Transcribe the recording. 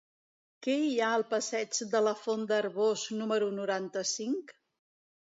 Què hi ha al passeig de la Font d'Arboç número noranta-cinc?